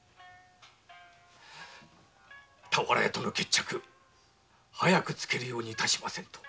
田原屋との決着早くつけるように致しませんと。